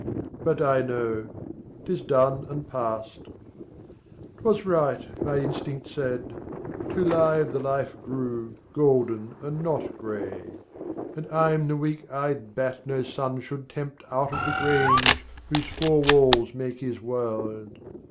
but I know 'Tis done and past: 'twas right, my instinct said: Too live the life grew, golden and not grey, And I'm the weak eyed bat no sun should tempt Out of the grange whose four walls make his world.